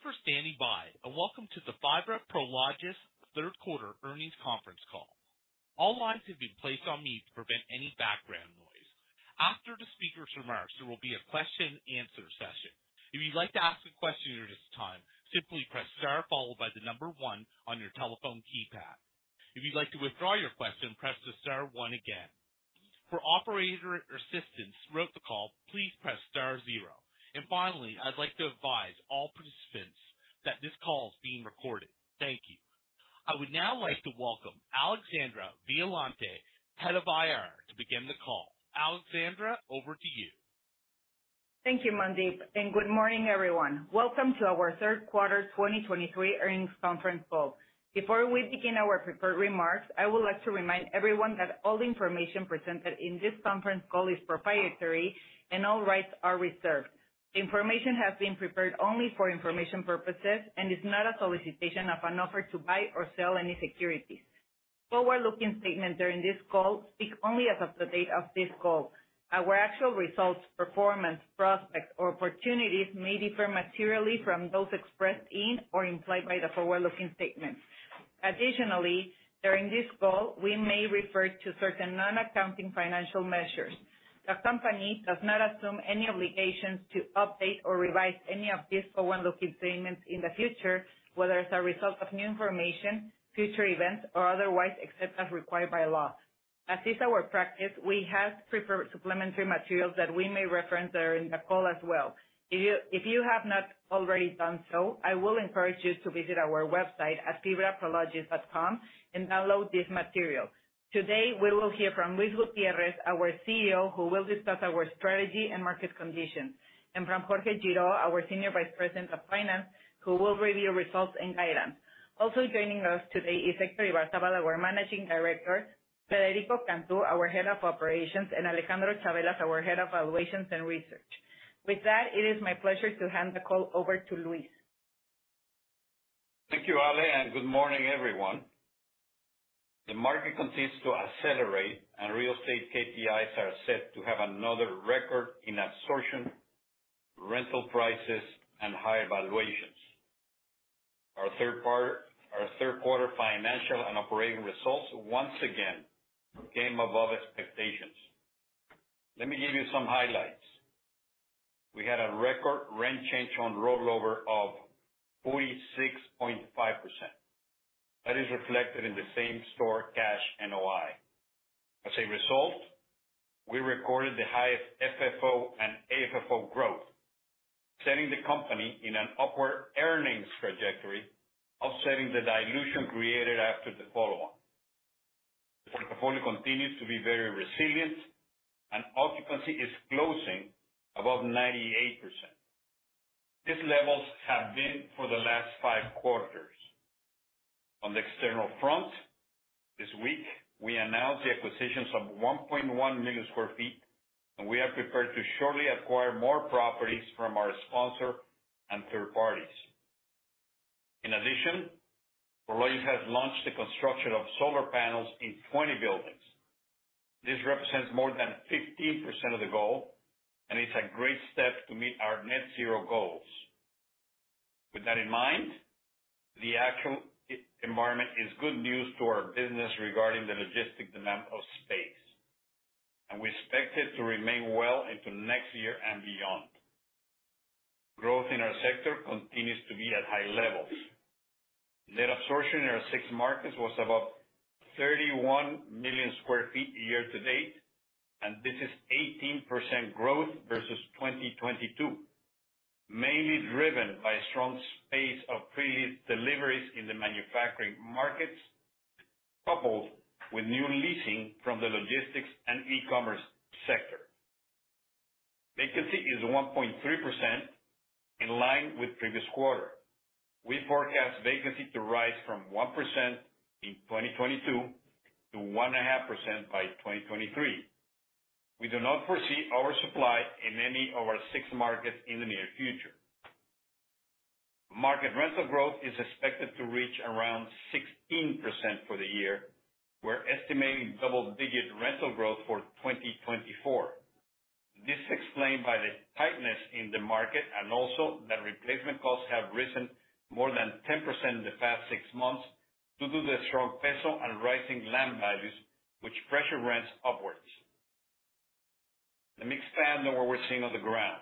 Thanks for standing by and welcome to the FIBRA Prologis third quarter earnings conference call. All lines have been placed on mute to prevent any background noise. After the speaker's remarks, there will be a question-and-answer session. If you'd like to ask a question at this time, simply press star followed by the number one on your telephone keypad. If you'd like to withdraw your question, press the star one again. For operator assistance throughout the call, please press star zero. And finally, I'd like to advise all participants that this call is being recorded. Thank you. I would now like to welcome Alexandra Violante, head of IR, to begin the call. Alexandra, over to you. Thank you, Mandeep, and good morning, everyone. Welcome to our third quarter 2023 earnings conference call. Before we begin our prepared remarks, I would like to remind everyone that all the information presented in this conference call is proprietary and all rights are reserved. The information has been prepared only for information purposes and is not a solicitation of an offer to buy or sell any securities. Forward-looking statements during this call speak only as of the date of this call. Our actual results, performance, prospects, or opportunities may differ materially from those expressed in or implied by the forward-looking statements. Additionally, during this call, we may refer to certain non-accounting financial measures. The company does not assume any obligations to update or revise any of these forward-looking statements in the future, whether as a result of new information, future events, or otherwise except as required by law. As is our practice, we have prepared supplementary materials that we may reference during the call as well. If you have not already done so, I will encourage you to visit our website at FIBRAPrologis.com and download this material. Today, we will hear from Luis Gutiérrez, our CEO, who will discuss our strategy and market conditions, and from Jorge Girault, our Senior Vice President of Finance, who will review results and guidance. Also joining us today is Héctor Ibarzabal, our Managing Director, Federico Cantú, our Head of Operations, and Alejandro Chavelas, our Head of Valuations and Research. With that, it is my pleasure to hand the call over to Luis. Thank you, Ale, and good morning, everyone. The market continues to accelerate, and real estate KPIs are set to have another record in absorption, rental prices, and higher valuations. Our third quarter financial and operating results, once again, came above expectations. Let me give you some highlights. We had a record rent change on rollover of 46.5%. That is reflected in the same-store cash NOI. As a result, we recorded the highest FFO and AFFO growth, setting the company in an upward earnings trajectory offsetting the dilution created after the follow-on. The portfolio continues to be very resilient, and occupancy is closing above 98%. These levels have been for the last five quarters. On the external front, this week, we announced the acquisitions of 1.1 million sq ft, and we are prepared to shortly acquire more properties from our sponsor and third parties. In addition, Prologis has launched the construction of solar panels in 20 buildings. This represents more than 15% of the goal, and it's a great step to meet our net zero goals. With that in mind, the actual environment is good news to our business regarding the logistic demand of space, and we expect it to remain well into next year and beyond. Growth in our sector continues to be at high levels. Net absorption in our six markets was about 31 million sq ft year to date, and this is 18% growth versus 2022, mainly driven by strong pace of pre-lease deliveries in the manufacturing markets coupled with new leasing from the logistics and e-commerce sector. Vacancy is 1.3%, in line with previous quarter. We forecast vacancy to rise from 1% in 2022 to 1.5% by 2023. We do not foresee our supply in any of our six markets in the near future. Market rental growth is expected to reach around 16% for the year. We're estimating double-digit rental growth for 2024. This is explained by the tightness in the market and also that replacement costs have risen more than 10% in the past six months due to the strong peso and rising land values, which pressure rents upwards. Let me expand on what we're seeing on the ground.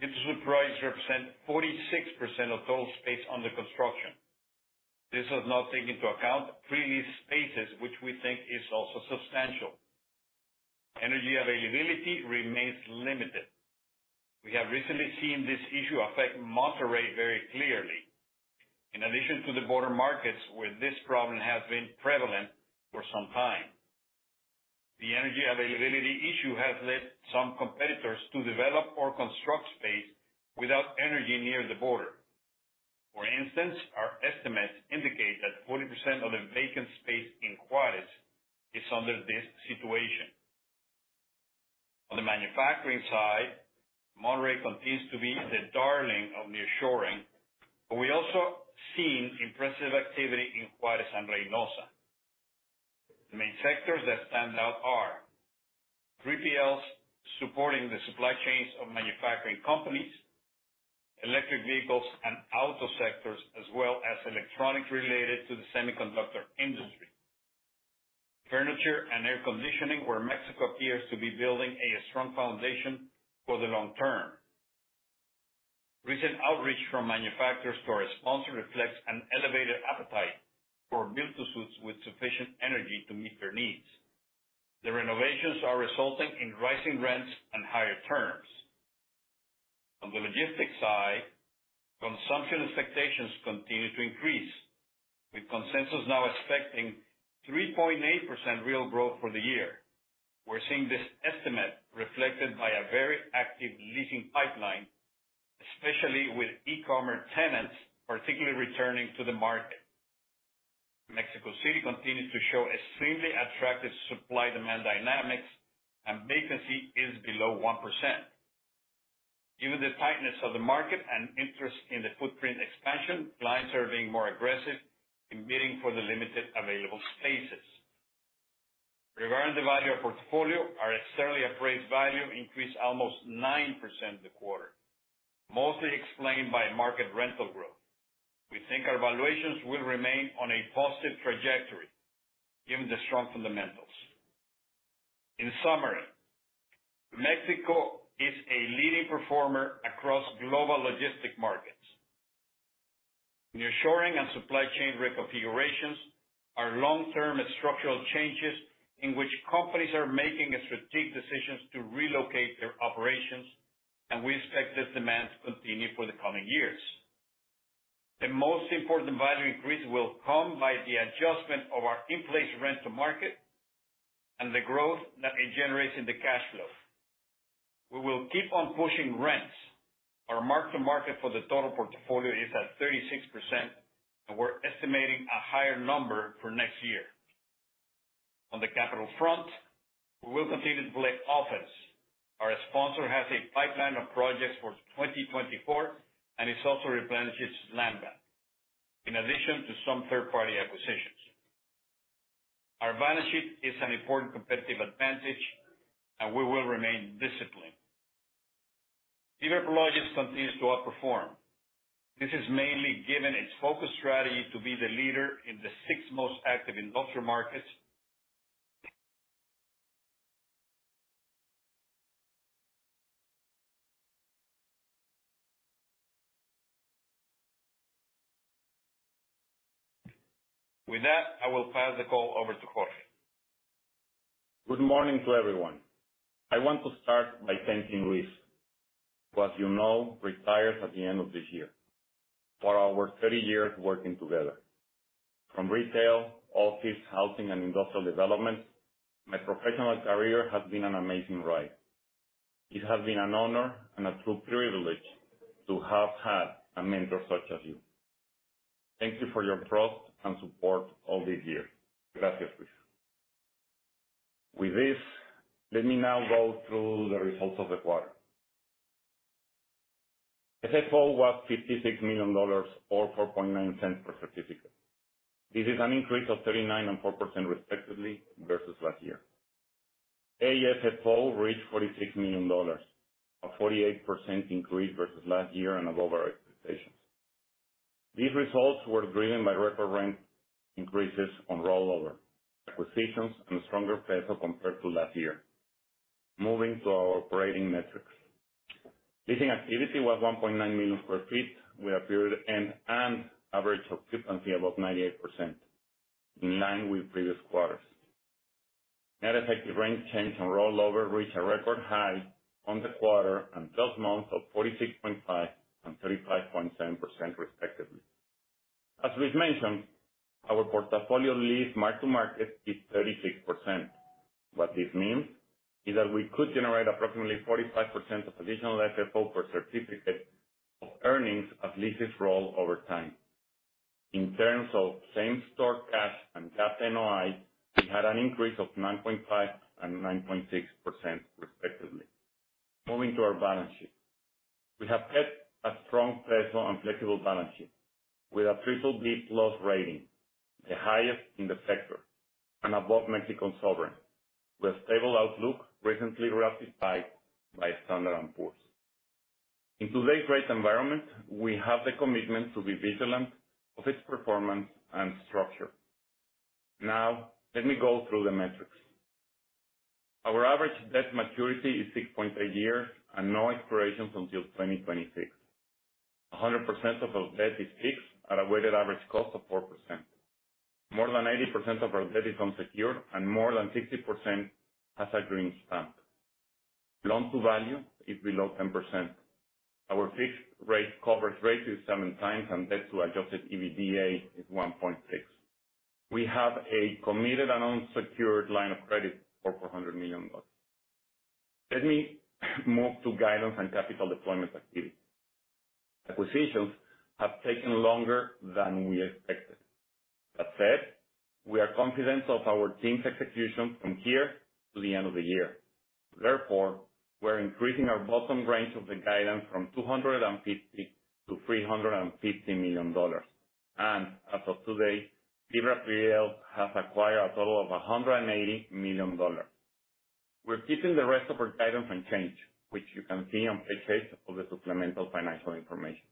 Speculative supply represents 46% of total space under construction. This does not take into account pre-lease spaces, which we think is also substantial. Energy availability remains limited. We have recently seen this issue affect Monterrey very clearly, in addition to the border markets, where this problem has been prevalent for some time. The energy availability issue has led some competitors to develop or construct space without energy near the border. For instance, our estimates indicate that 40% of the vacant space in Juárez is under this situation. On the manufacturing side, Monterrey continues to be the darling of nearshoring, but we also see impressive activity in Juárez and Reynosa. The main sectors that stand out are 3PLs supporting the supply chains of manufacturing companies, electric vehicles and auto sectors, as well as electronics related to the semiconductor industry. Furniture and air conditioning, where Mexico appears to be building a strong foundation for the long term. Recent outreach from manufacturers to our sponsor reflects an elevated appetite for build-to-suits with sufficient energy to meet their needs. The renovations are resulting in rising rents and higher terms. On the logistics side, consumption expectations continue to increase, with consensus now expecting 3.8% real growth for the year. We're seeing this estimate reflected by a very active leasing pipeline, especially with e-commerce tenants particularly returning to the market. Mexico City continues to show extremely attractive supply-demand dynamics, and vacancy is below 1%. Given the tightness of the market and interest in the footprint expansion, clients are being more aggressive in bidding for the limited available spaces. Regarding the value of portfolio, our externally appraised value increased almost 9% the quarter, mostly explained by market rental growth. We think our valuations will remain on a positive trajectory given the strong fundamentals. In summary, Mexico is a leading performer across global logistics markets. Nearshoring and supply chain reconfigurations are long-term structural changes in which companies are making strategic decisions to relocate their operations, and we expect this demand to continue for the coming years. The most important value increase will come by the adjustment of our in-place rent to market and the growth that it generates in the cash flow. We will keep on pushing rents. Our mark-to-market for the total portfolio is at 36%, and we're estimating a higher number for next year. On the capital front, we will continue to play offense. Our sponsor has a pipeline of projects for 2024 and is also replenishing its land bank, in addition to some third-party acquisitions. Our balance sheet is an important competitive advantage, and we will remain disciplined. FIBRA Prologis continues to outperform. This is mainly given its focus strategy to be the leader in the six most active industrial markets. With that, I will pass the call over to Jorge. Good morning to everyone. I want to start by thanking Luis, who as you know retires at the end of this year. For our 30 years working together, from retail, office, housing, and industrial development, my professional career has been an amazing ride. It has been an honor and a true privilege to have had a mentor such as you. Thank you for your trust and support all this year. Gracias, Luis. With this, let me now go through the results of the quarter. FFO was $56 million or $0.049 per certificate. This is an increase of 39% and 4% respectively versus last year. AFFO reached $46 million, a 48% increase versus last year and above our expectations. These results were driven by record rent increases on rollover, acquisitions, and a stronger peso compared to last year. Moving to our operating metrics, leasing activity was 1.9 million sq ft with a period end and average occupancy above 98%, in line with previous quarters. Net effective rent change on rollover reached a record high on the quarter and 12 months of 46.5% and 35.7% respectively. As Luis mentioned, our portfolio lease mark-to-market is 36%. What this means is that we could generate approximately 45% of additional FFO per certificate of earnings as leases roll over time. In terms of same-store cash and GAAP NOI, we had an increase of 9.5% and 9.6% respectively. Moving to our balance sheet, we have kept a strong peso and flexible balance sheet with a BBB plus rating, the highest in the sector, and above Mexican sovereign, with a stable outlook recently ratified by Standard & Poor's. In today's rate environment, we have the commitment to be vigilant of its performance and structure. Now, let me go through the metrics. Our average debt maturity is 6.8 years and no expirations until 2026. 100% of our debt is fixed at a weighted average cost of 4%. More than 80% of our debt is unsecured, and more than 60% has a Green Stamp. Loan-to-value is below 10%. Our fixed rate coverage rate is 7 times, and debt-to-adjusted EBITDA is 1.6. We have a committed and unsecured line of credit for $400 million. Let me move to guidance and capital deployment activity. Acquisitions have taken longer than we expected. That said, we are confident of our team's execution from here to the end of the year. Therefore, we're increasing our bottom range of the guidance from $250-$350 million, and as of today, FIBRA Prologis has acquired a total of $180 million. We're keeping the rest of our guidance unchanged, which you can see on page eight of the supplemental financial information.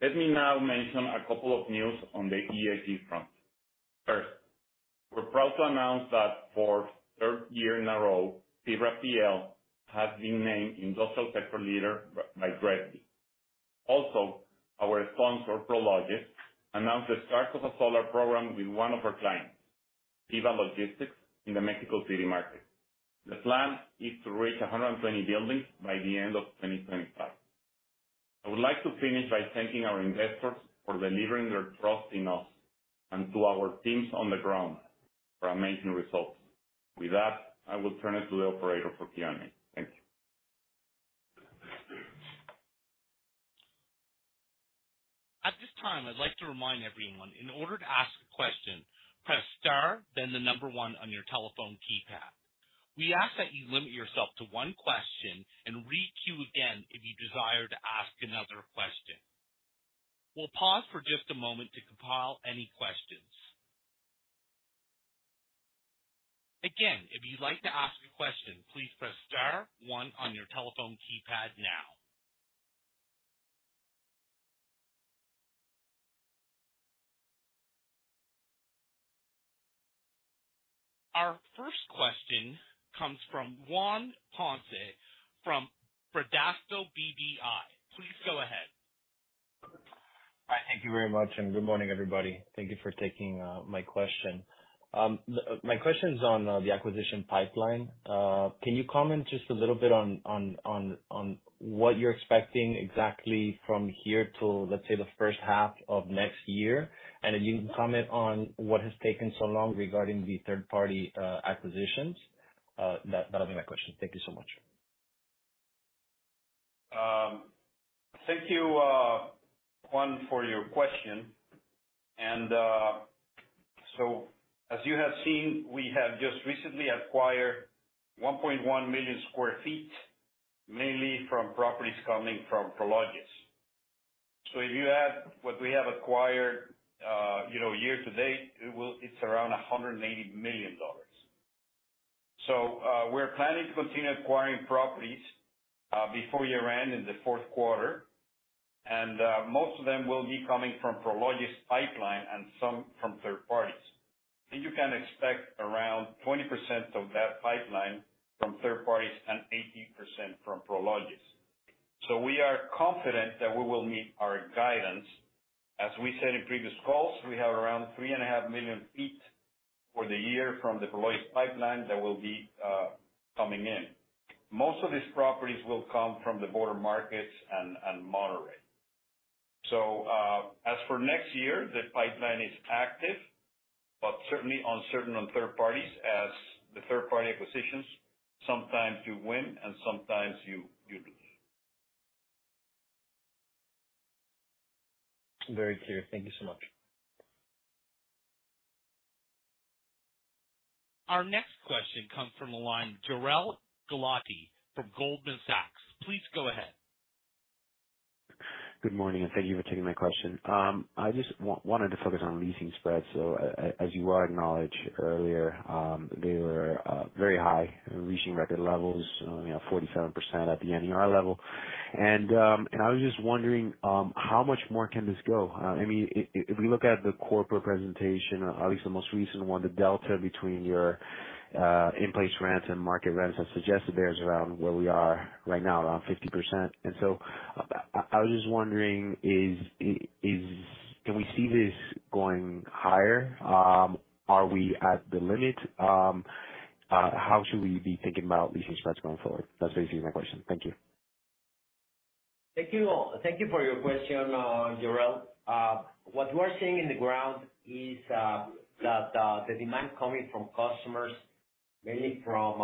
Let me now mention a couple of news on the ESG front. First, we're proud to announce that for the third year in a row, FIBRA Prologis has been named industrial sector leader by GRESB. Also, our sponsor Prologis announced the start of a solar program with one of our clients, CEVA Logistics, in the Mexico City market. The plan is to reach 120 buildings by the end of 2025. I would like to finish by thanking our investors for their trust in us and to our teams on the ground for amazing results. With that, I will turn it to the operator for Q&A. Thank you. At this time, I'd like to remind everyone, in order to ask a question, press star, then the number one on your telephone keypad. We ask that you limit yourself to one question and re-queue again if you desire to ask another question. We'll pause for just a moment to compile any questions. Again, if you'd like to ask a question, please press star one on your telephone keypad now. Our first question comes from Juan Ponce from Bradesco BBI. Please go ahead. Hi. Thank you very much, and good morning, everybody. Thank you for taking my question. My question's on the acquisition pipeline. Can you comment just a little bit on what you're expecting exactly from here till, let's say, the first half of next year, and if you can comment on what has taken so long regarding the third-party acquisitions? That'll be my question. Thank you so much. Thank you, Juan, for your question. So as you have seen, we have just recently acquired 1.1 million sq ft, mainly from properties coming from Prologis. So if you add what we have acquired, you know, year to date, it will it's around $180 million. So, we're planning to continue acquiring properties before year-end in the fourth quarter, and most of them will be coming from Prologis' pipeline and some from third parties. You can expect around 20% of that pipeline from third parties and 80% from Prologis. So we are confident that we will meet our guidance. As we said in previous calls, we have around 3.5 million sq ft for the year from the Prologis' pipeline that will be coming in. Most of these properties will come from the border markets and Monterrey. So, as for next year, the pipeline is active, but certainly uncertain on third parties as the third-party acquisitions sometimes you win and sometimes you lose. Very clear. Thank you so much. Our next question comes from the line Jerald Galati from Goldman Sachs. Please go ahead. Good morning, and thank you for taking my question. I just wanted to focus on leasing spreads. So, as you all acknowledged earlier, they were very high, reaching record levels, you know, 47% at the NER level. And I was just wondering, how much more can this go? I mean, if we look at the corporate presentation, at least the most recent one, the delta between your in-place rents and market rents it suggests there is around where we are right now, around 50%. And so, I was just wondering, can we see this going higher? Are we at the limit? How should we be thinking about leasing spreads going forward? That's basically my question. Thank you. Thank you all. Thank you for your question, Jerald. What you are seeing on the ground is that the demand coming from customers, mainly from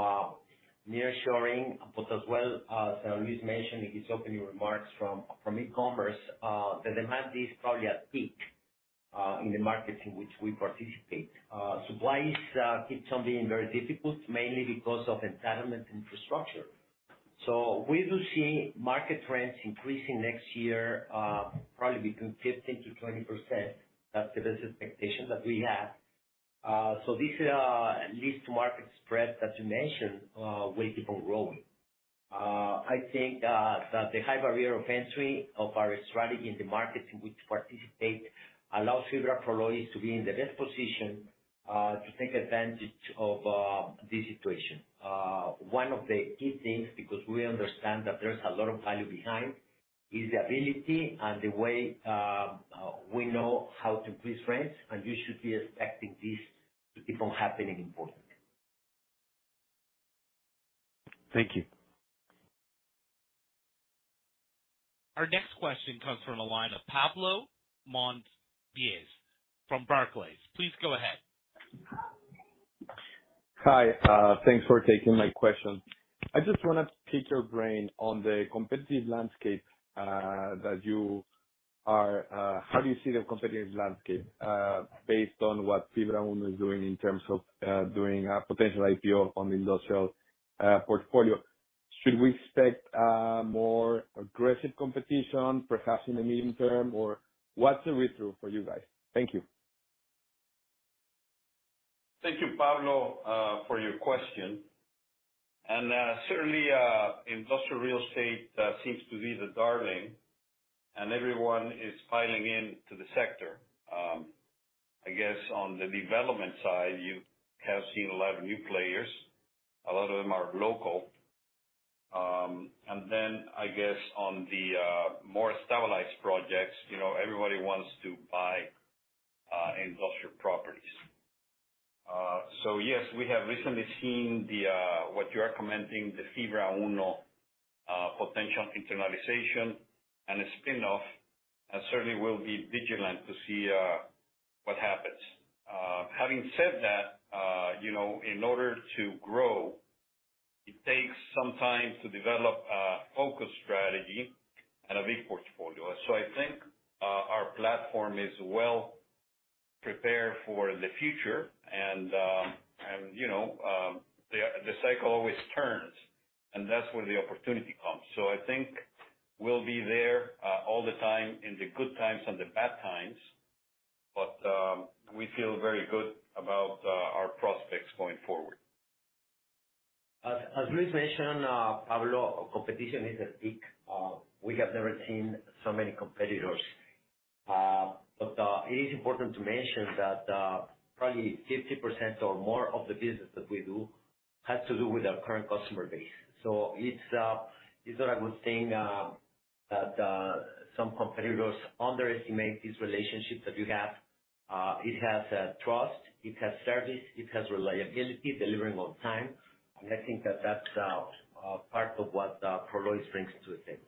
nearshoring, but as well, as Luis mentioned in his opening remarks, from e-commerce, the demand is probably at peak in the markets in which we participate. Supply keeps on being very difficult, mainly because of entitlement infrastructure. So we do see market trends increasing next year, probably between 15%-20%. That's the best expectation that we have. So this mark-to-market spread that you mentioned will keep on growing. I think that the high barrier of entry of our strategy in the markets in which we participate allows FIBRA Prologis to be in the best position to take advantage of this situation. One of the key things, because we understand that there's a lot of value behind, is the ability and the way we know how to increase rents, and you should be expecting this to keep on happening in the portfolio. Thank you. Our next question comes from the line of Pablo Monsivais from Barclays. Please go ahead. Hi. Thanks for taking my question. I just wanna pick your brain on the competitive landscape. How do you see the competitive landscape, based on what FIBRA is doing in terms of potential IPO on the industrial portfolio? Should we expect more aggressive competition, perhaps in the medium term, or what's the read-through for you guys? Thank you. Thank you, Pablo, for your question. Certainly, industrial real estate seems to be the darling, and everyone is piling into the sector. I guess on the development side, you have seen a lot of new players. A lot of them are local. And then I guess on the more stabilized projects, you know, everybody wants to buy industrial properties. So yes, we have recently seen what you are commenting, the FIBRA Uno potential internalization and a spinoff, and certainly we'll be vigilant to see what happens. Having said that, you know, in order to grow, it takes some time to develop a focus strategy and a big portfolio. So I think our platform is well prepared for the future, and you know, the cycle always turns, and that's where the opportunity comes. I think we'll be there all the time in the good times and the bad times, but we feel very good about our prospects going forward. As, as Luis mentioned, Pablo, competition is at peak. We have never seen so many competitors. But, it is important to mention that, probably 50% or more of the business that we do has to do with our current customer base. So it's, it's not a good thing, that, some competitors underestimate these relationships that you have. It has trust. It has service. It has reliability, delivering on time. And I think that that's, part of what, Prologis brings to the table.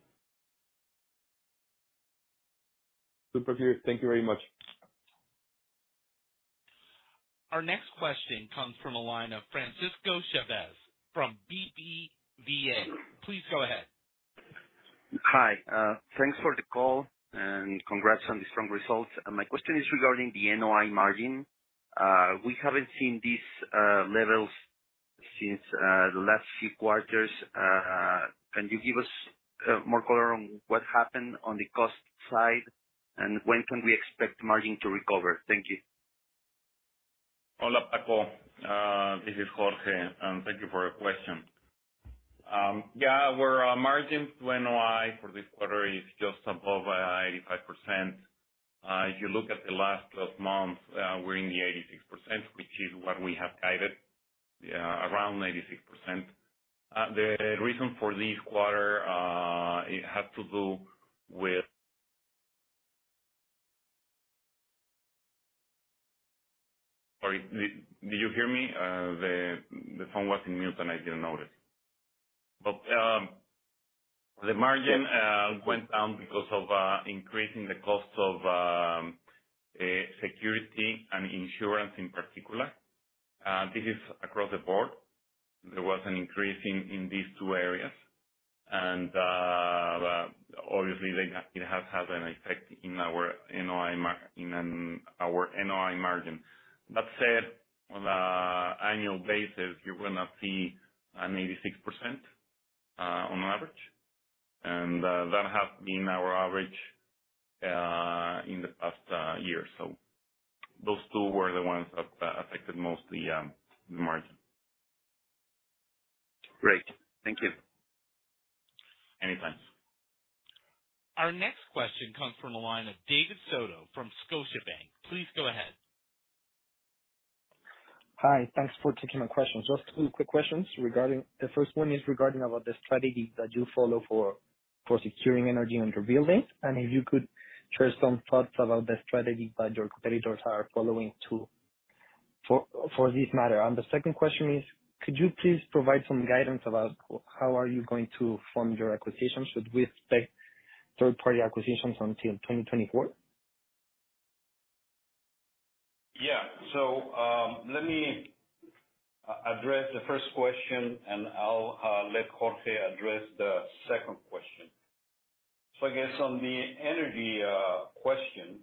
Super clear. Thank you very much. Our next question comes from the line of Francisco Chavez from BBVA. Please go ahead. Hi. Thanks for the call and congrats on the strong results. My question is regarding the NOI margin. We haven't seen these levels since the last few quarters. Can you give us more color on what happened on the cost side and when can we expect the margin to recover? Thank you. Hola, Paco. This is Jorge, and thank you for your question. Yeah, we're, margin to NOI for this quarter is just above 85%. If you look at the last 12 months, we're in the 86%, which is what we have guided, yeah, around 86%. The reason for this quarter, it has to do with—sorry, did you hear me? The, the phone was on mute, and I didn't notice. But, the margin went down because of increasing the cost of security and insurance in particular. This is across the board. There was an increase in, in these two areas, and, obviously, it has had an effect in our NOI margin. That said, on an annual basis, you're gonna see an 86%, on average, and, that has been our average in the past year. So those two were the ones that affected mostly the margin. Great. Thank you. Anytime. Our next question comes from the line of David Soto from Scotiabank. Please go ahead. Hi. Thanks for taking my question. Just two quick questions. The first one is regarding about the strategy that you follow for securing energy on your buildings, and if you could share some thoughts about the strategy that your competitors are following too for this matter. And the second question is, could you please provide some guidance about how are you going to fund your acquisitions with respect to third-party acquisitions until 2024? Yeah. So, let me address the first question, and I'll let Jorge address the second question. So I guess on the energy question,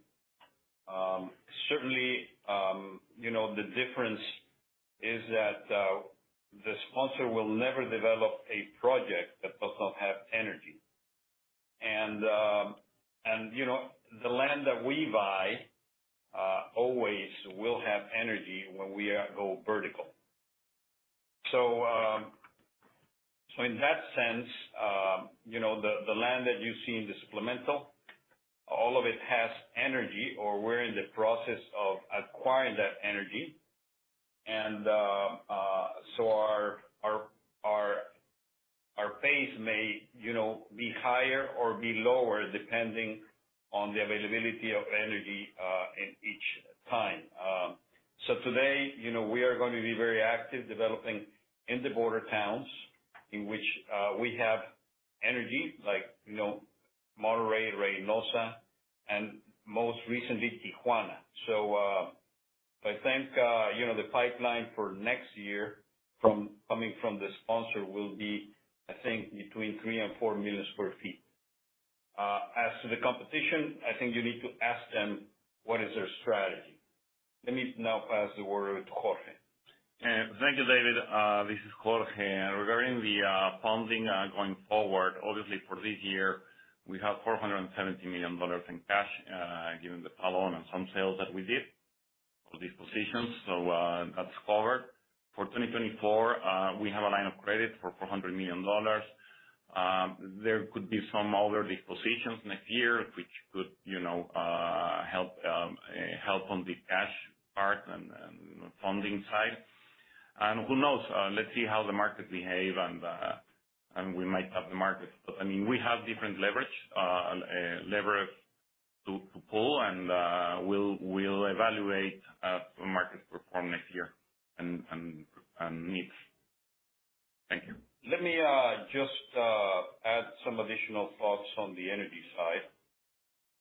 certainly, you know, the difference is that the sponsor will never develop a project that does not have energy. And, you know, the land that we buy always will have energy when we go vertical. So in that sense, you know, the land that you see in the supplemental all of it has energy, or we're in the process of acquiring that energy. And so our pace may, you know, be higher or be lower depending on the availability of energy in each time. So today, you know, we are gonna be very active developing in the border towns in which we have energy, like, you know, Monterrey, Reynosa, and most recently, Tijuana. So, I think, you know, the pipeline for next year from coming from the sponsor will be, I think, between 3-4 million sq ft. As to the competition, I think you need to ask them what is their strategy. Let me now pass the word over to Jorge. And thank you, David. This is Jorge. Regarding the funding going forward, obviously, for this year, we have $470 million in cash, given the follow-on and some sales that we did for these positions, so that's covered. For 2024, we have a line of credit for $400 million. There could be some other dispositions next year which could, you know, help on the cash part and, you know, funding side. Who knows? Let's see how the market behave, and we might tap the market. But I mean, we have different leverage to pull, and we'll evaluate how the markets perform next year and needs. Thank you. Let me just add some additional thoughts on the energy side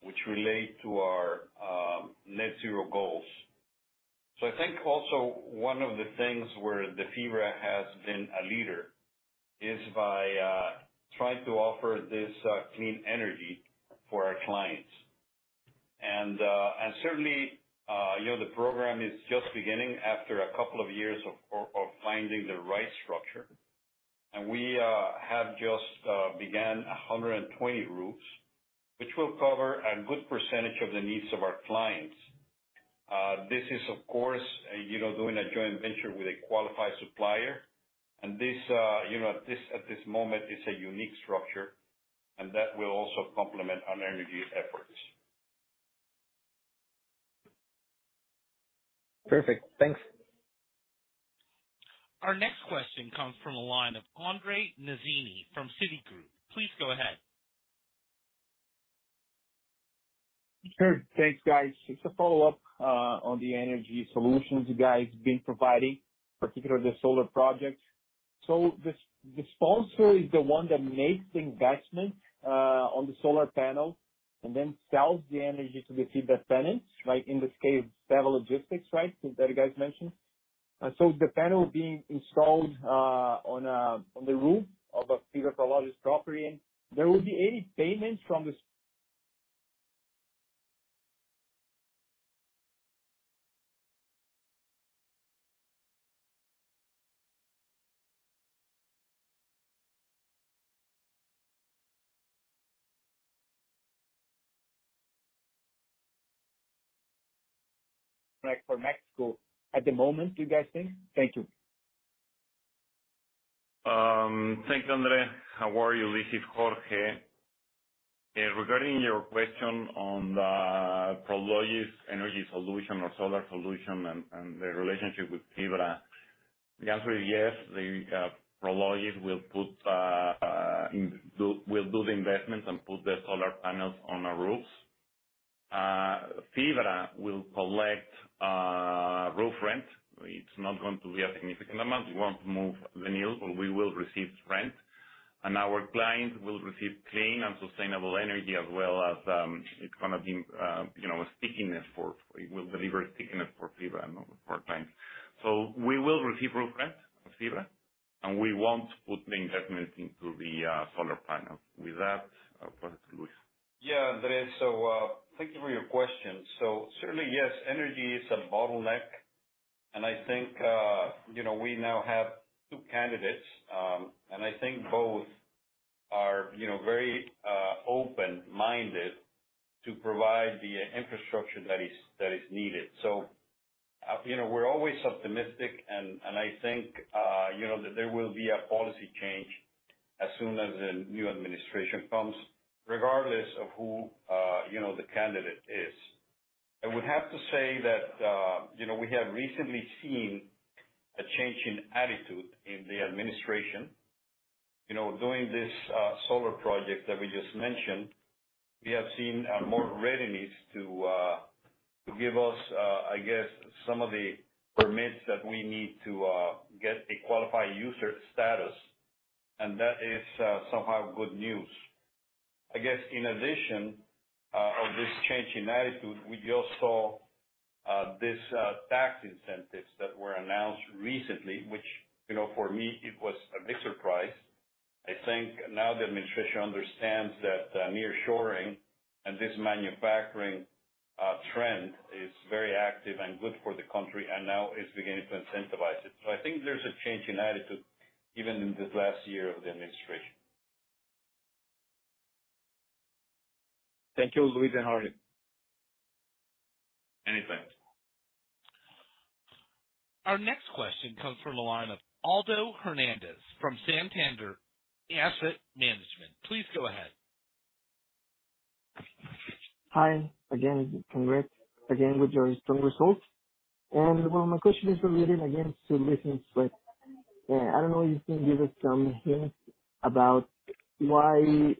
which relate to our net zero goals. So I think also one of the things where the FIBRA has been a leader is by trying to offer this clean energy for our clients. And certainly, you know, the program is just beginning after a couple of years of finding the right structure. And we have just begun 120 roofs which will cover a good percentage of the needs of our clients. This is, of course, you know, doing a joint venture with a qualified supplier, and this, you know, at this moment, it's a unique structure, and that will also complement our energy efforts. Perfect. Thanks. Our next question comes from the line of Andre Mazini from Citigroup. Please go ahead. Sure. Thanks, guys. It's a follow-up on the energy solutions you guys' been providing, particularly the solar project. So this, the sponsor is the one that makes the investment on the solar panel and then sells the energy to the FIBRA tenants, right? In this case, CEVA Logistics, right, that you guys mentioned. So the panel being installed on the roof of a FIBRA Prologis property, and there will be any payments from the sponsor for Mexico at the moment, do you guys think? Thank you. Thanks, Andre. How are you, Luis? It's Jorge. And regarding your question on Prologis Energy Solution or solar solution and the relationship with FIBRA, the answer is yes. Prologis will put in, will do the investment and put the solar panels on our roofs. FIBRA will collect roof rent. It's not going to be a significant amount. We won't move the needle, but we will receive rent, and our clients will receive clean and sustainable energy as well as, it's gonna be, you know, a stickiness for it will deliver stickiness for FIBRA and for our clients. So we will receive roof rent from FIBRA, and we won't put the investments into the solar panels. With that, I'll pass it to Luis. Yeah, Andre. So, thank you for your question. So certainly, yes, energy is a bottleneck, and I think, you know, we now have two candidates, and I think both are, you know, very, open-minded to provide the infrastructure that is that is needed. So, you know, we're always optimistic, and, and I think, you know, that there will be a policy change as soon as the new administration comes, regardless of who, you know, the candidate is. I would have to say that, you know, we have recently seen a change in attitude in the administration. You know, doing this, solar project that we just mentioned, we have seen, more readiness to, to give us, I guess, some of the permits that we need to, get a qualified user status, and that is, somehow good news. I guess in addition to this change in attitude we just saw, these tax incentives that were announced recently which, you know, for me, it was a big surprise. I think now the administration understands that nearshoring and this manufacturing trend is very active and good for the country and now is beginning to incentivize it. So I think there's a change in attitude even in this last year of the administration. Thank you, Luis and Jorge. Anytime. Our next question comes from the line of Aldo Hernandez from Santander Asset Management. Please go ahead. Hi. Again, congrats again with your strong results. Well, my question is related, again, to leasing rate. I don't know if you can give us some hints about why,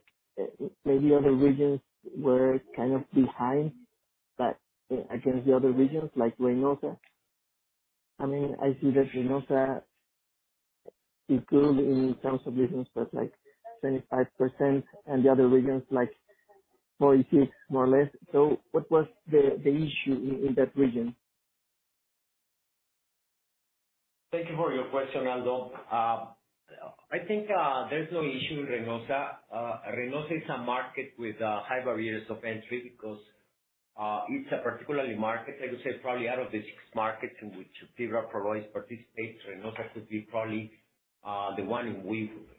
maybe other regions were kind of behind that, against the other regions like Reynosa. I mean, I see that Reynosa, it's good in terms of leasing, but, like, 75% and the other regions, like, 46% more or less. What was the issue in that region? Thank you for your question, Aldo. I think, there's no issue in Reynosa. Reynosa is a market with high barriers of entry because it's a particular market, like I said, probably out of the 6 markets in which FIBRA Prologis participates, Reynosa could be probably the one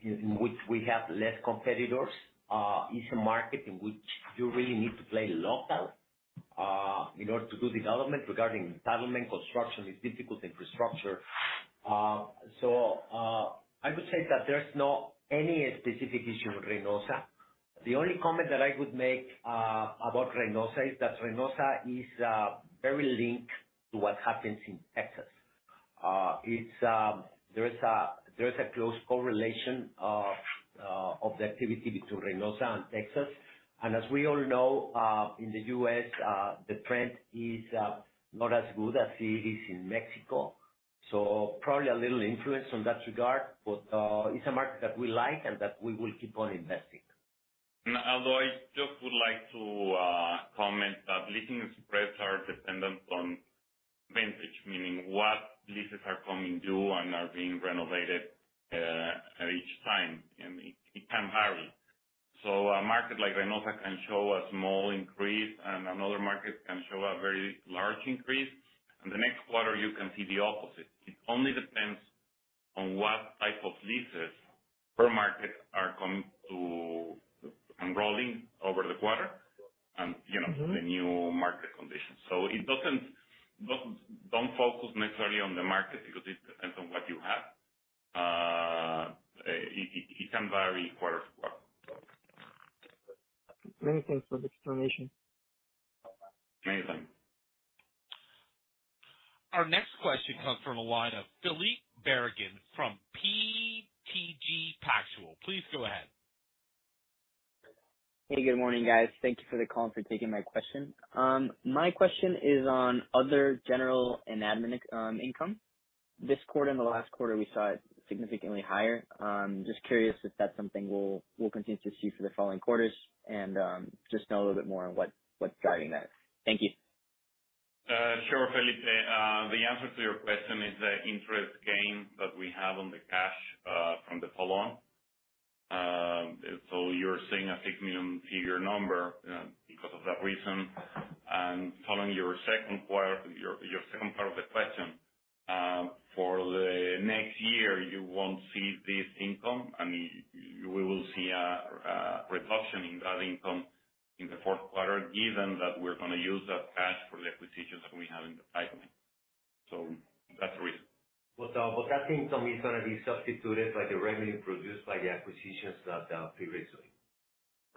in which we have less competitors. It's a market in which you really need to play local, in order to do development. Regarding entitlement, construction is difficult infrastructure. So, I would say that there's no any specific issue with Reynosa. The only comment that I would make about Reynosa is that Reynosa is very linked to what happens in Texas. It's there is a close correlation of the activity between Reynosa and Texas. As we all know, in the U.S., the trend is not as good as it is in Mexico, so probably a little influence on that regard, but it's a market that we like and that we will keep on investing. Aldo, I just would like to comment that leasing rates are dependent on vintage, meaning what leases are coming due and are being renewed at each time, and it can vary. So a market like Reynosa can show a small increase, and another market can show a very large increase. And the next quarter, you can see the opposite. It only depends on what type of leases per market are coming to renewal over the quarter and, you know, the new market conditions. So it doesn't focus necessarily on the market because it depends on what you have. It can vary quarter to quarter. Many thanks for the explanation. Anytime. Our next question comes from the line of Felipe Barragán from BTG Pactual. Please go ahead. Hey. Good morning, guys. Thank you for the call and for taking my question. My question is on other general and admin income. This quarter and the last quarter, we saw it significantly higher. Just curious if that's something we'll, we'll continue to see for the following quarters and just know a little bit more on what, what's driving that. Thank you. Sure, Felipe. The answer to your question is the interest gain that we have on the cash, from the follow-on. So you're seeing a $6 million figure number, because of that reason. Following your second part of the question, for the next year, you won't see this income. I mean, you will see a reduction in that income in the fourth quarter given that we're gonna use that cash for the acquisitions that we have in the pipeline. So that's the reason. Well, but that income is gonna be substituted by the revenue produced by the acquisitions that FIBRA is doing.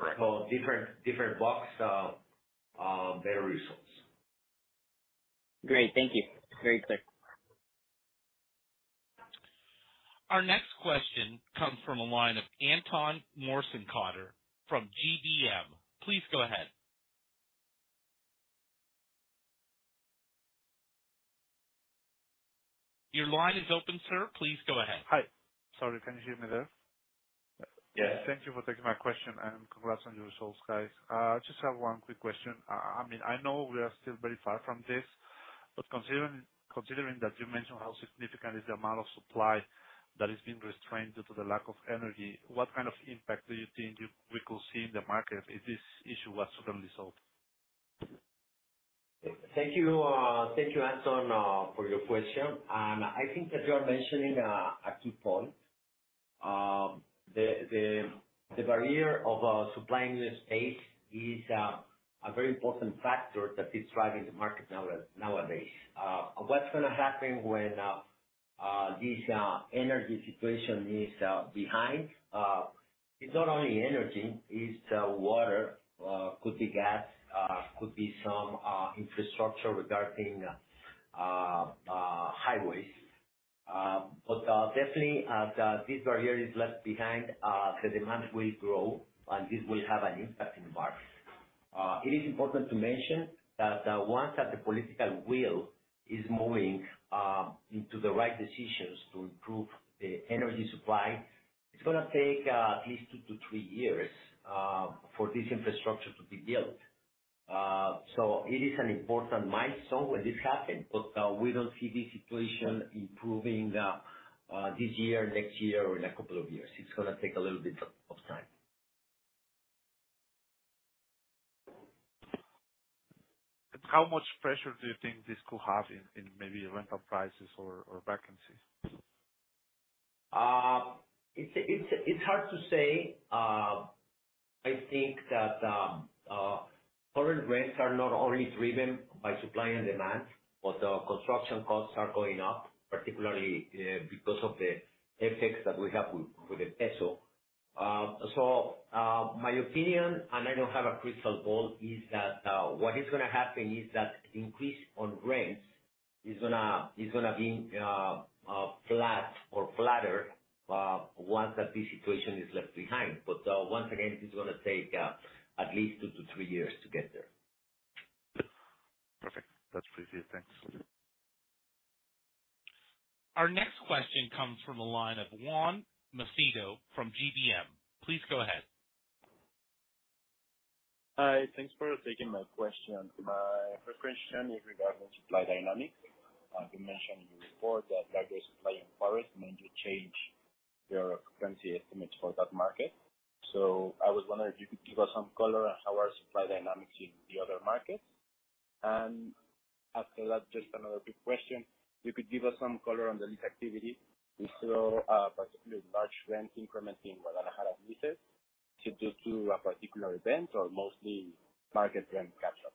Correct. So different, different box, better results. Great. Thank you. Very clear. Our next question comes from the line of Anton Morten from GBM. Please go ahead. Your line is open, sir. Please go ahead. Hi. Sorry, can you hear me there? Yes. Thank you for taking my question, and congrats on your results, guys. I just have one quick question. I mean, I know we are still very far from this, but considering, considering that you mentioned how significant is the amount of supply that is being restrained due to the lack of energy, what kind of impact do you think you we could see in the market if this issue was suddenly solved? Thank you. Thank you, Anton, for your question. And I think that you are mentioning a key point. The barrier of supplying the space is a very important factor that is driving the market nowadays. What's gonna happen when this energy situation is behind? It's not only energy. It's water, could be gas, could be some infrastructure regarding highways. But definitely, as this barrier is left behind, the demand will grow, and this will have an impact in the market. It is important to mention that, once that the political wheel is moving into the right decisions to improve the energy supply, it's gonna take at least 2-3 years for this infrastructure to be built. So it is an important milestone when this happens, but we don't see this situation improving this year, next year, or in a couple of years. It's gonna take a little bit of time. How much pressure do you think this could have in, in maybe rental prices or, or vacancies? It's hard to say. I think that current rents are not only driven by supply and demand, but construction costs are going up, particularly because of the effects that we have with the peso. So, my opinion, and I don't have a crystal ball, is that what is gonna happen is that the increase on rents is gonna be flat or flatter once that this situation is left behind. But once again, it's gonna take at least 2-3 years to get there. Perfect. That's pretty good. Thanks. Our next question comes from the line of Juan Macedo from GBM. Please go ahead. Hi. Thanks for taking my question. My first question is regarding supply dynamics. You mentioned in your report that larger supply in Juarez meant you change your vacancy estimates for that market. I was wondering if you could give us some color on how our supply dynamics in the other markets. After that, just another quick question. You could give us some color on the lease activity. We saw, particularly large rent increment in Guadalajara leases. Is it due to a particular event or mostly market rent catch-up?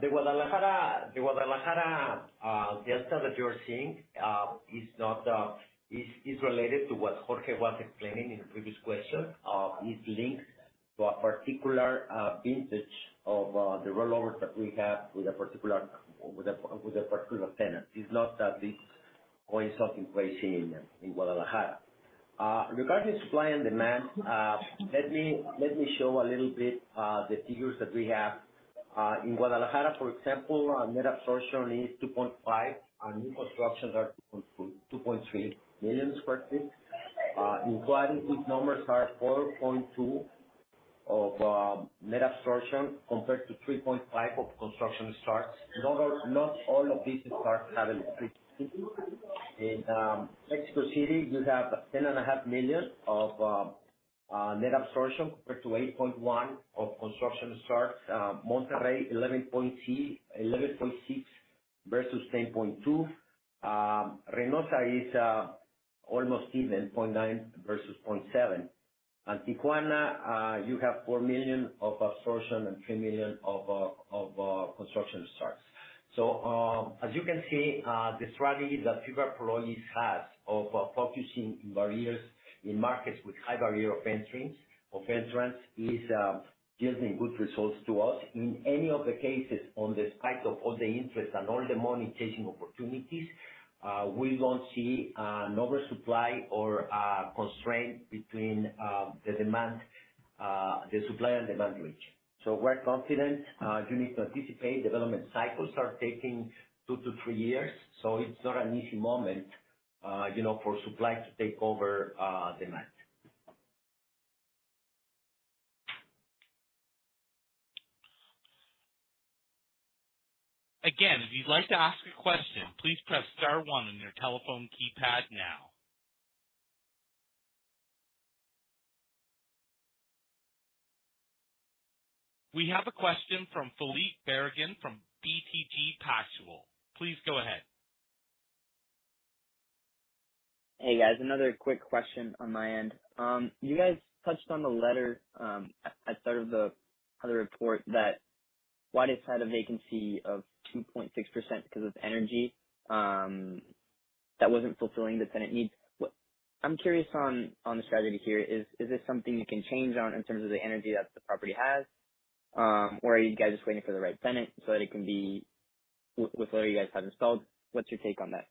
The Guadalajara, the delta that you are seeing, is not, is related to what Jorge was explaining in the previous question. It's linked to a particular vintage of the rollovers that we have with a particular tenant. It's not that it's going something crazy in Guadalajara. Regarding supply and demand, let me show a little bit the figures that we have. In Guadalajara, for example, net absorption is 2.5, and new constructions are 2.2-2.3 million sq ft. In Guadalajara, these numbers are 4.2 of net absorption compared to 3.5 of construction starts. Not all of these starts have electricity. In Mexico City, you have 10.5 million of net absorption compared to 8.1 of construction starts. Monterrey, 11.3-11.6 versus 10.2. Reynosa is almost even, 0.9 versus 0.7. Tijuana, you have 4 million of absorption and 3 million of construction starts. So, as you can see, the strategy that FIBRA Prologis has of focusing on barriers in markets with high barrier of entrance of entrants is yielding good results to us. In any case, in spite of all the interest and all the money chasing opportunities, we don't see an oversupply or constraint between the demand the supply and demand range. So we're confident, you need to anticipate. Development cycles are taking two to three years, so it's not an easy moment, you know, for supply to take over demand. Again, if you'd like to ask a question, please press star one on your telephone keypad now. We have a question from Felipe Barragán from BTG Pactual. Please go ahead. Hey, guys. Another quick question on my end. You guys touched on the letter at the start of the report that Cuidad Juarez has had a vacancy of 2.6% because of energy that wasn't fulfilling the tenant needs. What I'm curious on the strategy here is this something you can change on in terms of the energy that the property has, or are you guys just waiting for the right tenant so that it can be with whatever you guys have installed? What's your take on that?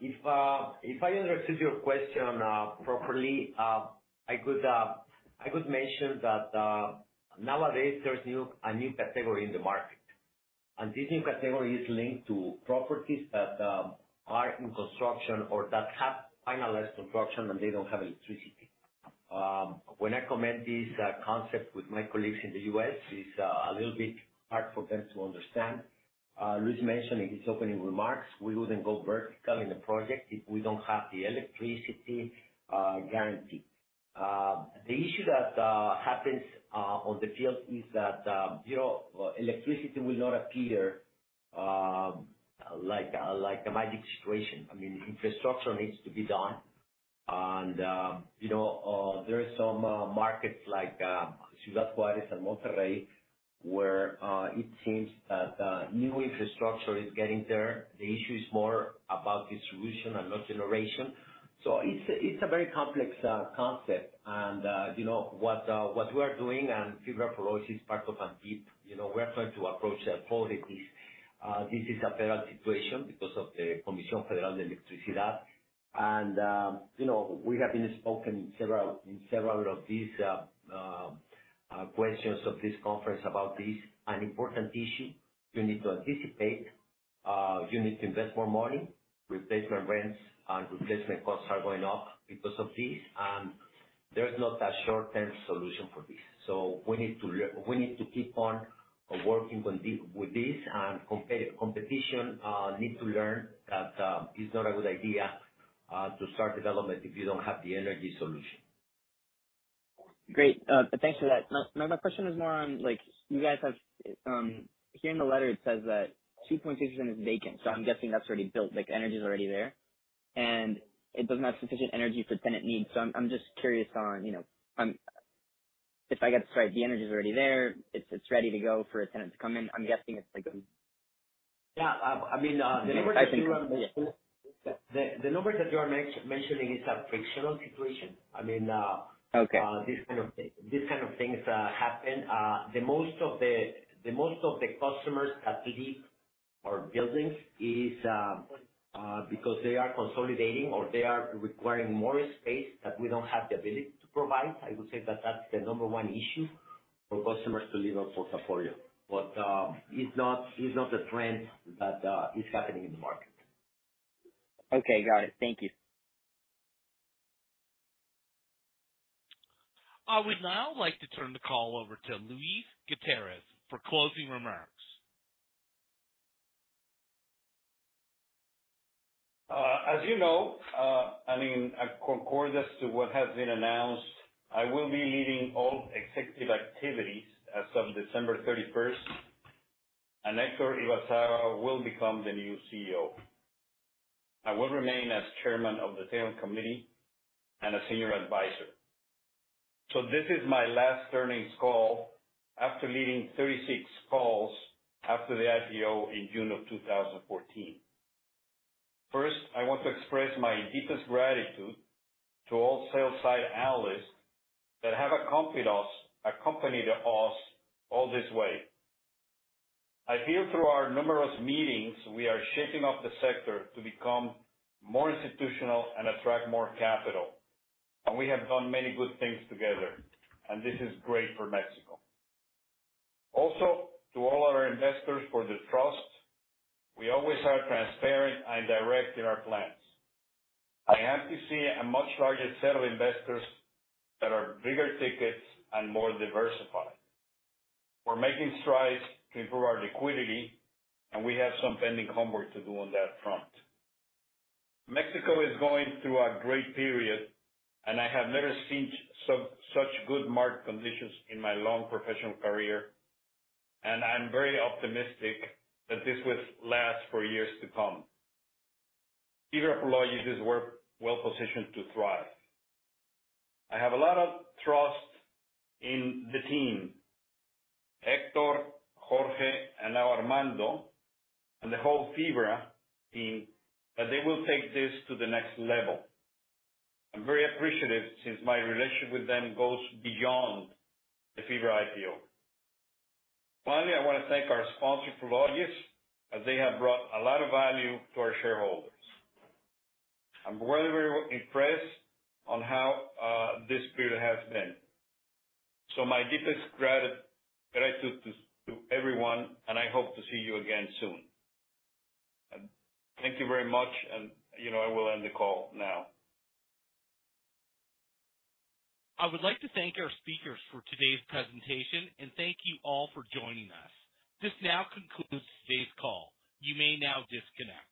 If I understood your question properly, I could mention that nowadays there's a new category in the market. And this new category is linked to properties that are in construction or that have finalized construction, and they don't have electricity. When I comment this concept with my colleagues in the U.S., it's a little bit hard for them to understand. Luis mentioned in his opening remarks, we wouldn't go vertical in the project if we don't have the electricity guaranteed. The issue that happens on the field is that, you know, electricity will not appear like a magic situation. I mean, infrastructure needs to be done. And, you know, there are some markets like Ciudad Juárez and Monterrey where it seems that new infrastructure is getting there. The issue is more about distribution and not generation. So it's a very complex concept. And, you know, what, what we are doing and FIBRA Prologis is part of AMPIP. You know, we are trying to approach the approach that this, this is a federal situation because of the Comisión Federal de Electricidad. And, you know, we have been spoken several in several of these, questions of this conference about this, an important issue. You need to anticipate. You need to invest more money. Replacement rents and replacement costs are going up because of this, and there's not a short-term solution for this. So we need to learn we need to keep on, working on the with this, and competition, need to learn that, it's not a good idea, to start development if you don't have the energy solution. Great. Thanks for that. My, my question is more on, like, you guys have here in the letter, it says that 2.6% is vacant, so I'm guessing that's already built. Like, energy's already there, and it doesn't have sufficient energy for tenant needs. So I'm, I'm just curious on, you know, if I got this right, the energy's already there. It's, it's ready to go for a tenant to come in. I'm guessing it's, like, Yeah. I mean, the numbers that you are mentioning is a fictional situation. I mean, Okay. This kind of things happen. The most of the customers that leave our buildings is because they are consolidating or they are requiring more space that we don't have the ability to provide. I would say that that's the number one issue for customers to leave our portfolio. But, it's not a trend that is happening in the market. Okay. Got it. Thank you. I would now like to turn the call over to Luis Gutiérrez for closing remarks. As you know, I mean, consistent with what has been announced, I will be leading all executive activities as of December 31st, and Héctor Ibarzabal will become the new CEO. I will remain as chairman of the Technical Committee and a senior advisor. So this is my last earnings call after leading 36 calls after the IPO in June of 2014. First, I want to express my deepest gratitude to all sell-side analysts that have accompanied us all this way. I feel through our numerous meetings, we are shaping up the sector to become more institutional and attract more capital, and we have done many good things together, and this is great for Mexico. Also, to all our investors for their trust, we always are transparent and direct in our plans. I have seen a much larger set of investors that are bigger tickets and more diversified. We're making strides to improve our liquidity, and we have some pending homework to do on that front. Mexico is going through a great period, and I have never seen such good market conditions in my long professional career, and I'm very optimistic that this will last for years to come. FIBRA Prologis is well positioned to thrive. I have a lot of trust in the team, Héctor, Jorge, and now Armando, and the whole FIBRA team, that they will take this to the next level. I'm very appreciative since my relationship with them goes beyond the FIBRA IPO. Finally, I wanna thank our sponsor, Prologis, as they have brought a lot of value to our shareholders. I'm very, very impressed on how, this period has been. So my deepest gratitude to everyone, and I hope to see you again soon. Thank you very much, and, you know, I will end the call now. I would like to thank our speakers for today's presentation, and thank you all for joining us. This now concludes today's call. You may now disconnect.